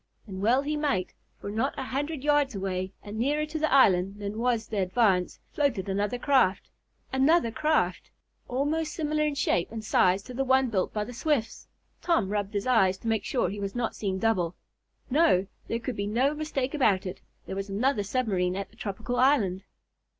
And well he might, for, not a hundred yards away, and nearer to the island than was the Advance, floated another craft another craft, almost similar in shape and size to the one built by the Swifts. Tom rubbed his eyes to make sure he was not seeing double. No, there could be no mistake about it. There was another submarine at the tropical island.